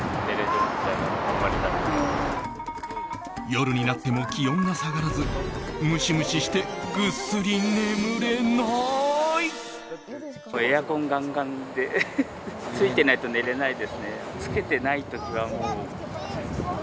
夜になっても気温が下がらずムシムシしてぐっすり眠れない。